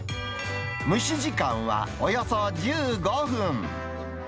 蒸し時間はおよそ１５分。